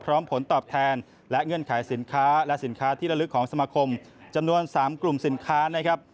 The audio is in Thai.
พร้อมผลตอบแทนและเงื่อนไขสินค้าและสินค้าที่ระลึกของสมาคมจำนวน๓กลุ่มสินค้านะครับ